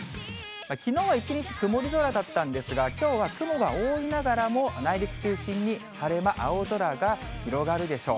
きのうは一日曇り空だったんですが、きょうは雲が多いながらも、内陸中心に晴れ間、青空が広がるでしょう。